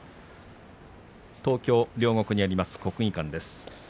東京・両国にあります国技館です。